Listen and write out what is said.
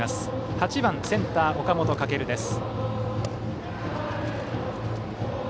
８番センター、岡本翔です。